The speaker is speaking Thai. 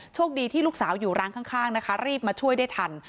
โชคดีที่ลูกสาวอยู่ร้านข้างนะคะรีบมาช่วยได้ทัน